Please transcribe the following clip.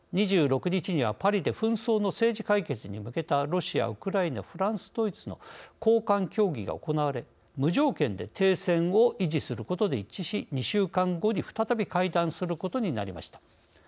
２６日にはパリで紛争の政治解決に向けたロシアウクライナフランスドイツの高官協議が行われ無条件で停戦を維持することで一致し２週間後に再び会談することになりました。